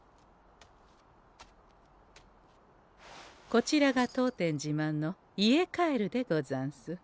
こちらが当店じまんの家カエルでござんす。